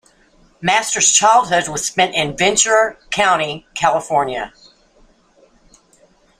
Masters' childhood was spent in Ventura Country, California.